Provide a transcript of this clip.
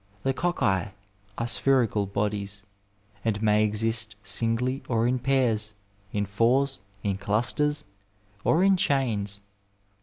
The cocci are spherical bodies and may exist singly or in pairs, in fours, in dusters, or in chains.